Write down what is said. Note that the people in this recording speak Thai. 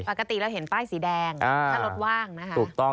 ปกติเราเห็นป้ายสีแดงถ้ารถว่างนะคะ